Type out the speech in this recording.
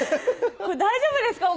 大丈夫ですか？